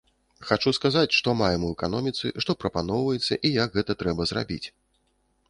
Хачу сказаць, што маем у эканоміцы, што прапаноўваецца, і як гэта трэба зрабіць.